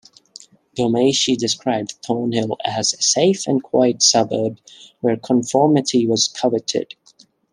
Ghomeshi described Thornhill as a safe and quiet suburb where conformity was coveted ...